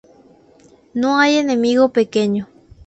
No hay enemigo pequeño